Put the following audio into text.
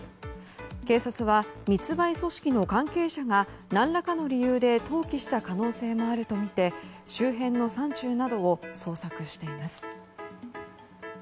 警察は、密売組織の関係者が何らかの理由で投棄した可能性があるとみて周辺の山中などを捜索しています。